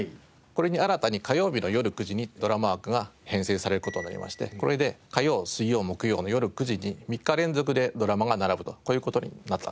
これに新たに火曜日のよる９時にドラマ枠が編成される事になりましてこれで火曜水曜木曜のよる９時に３日連続でドラマが並ぶとこういう事になったんです。